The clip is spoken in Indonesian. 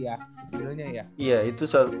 iya itu plus minus sih sebenarnya